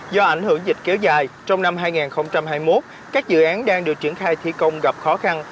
do ảnh hưởng dịch kéo dài trong năm hai nghìn hai mươi một các dự án đang được triển khai thi công gặp khó khăn